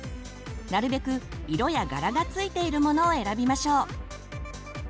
なるべく色や柄がついているモノを選びましょう。